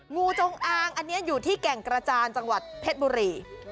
งูจงอางอันนี้อยู่ที่แก่งกระจานจังหวัดเพชรบุรี